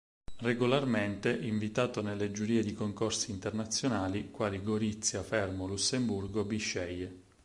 Regolarmente invitato nelle giurie di Concorsi Internazionali, quali Gorizia, Fermo, Lussemburgo, Bisceglie.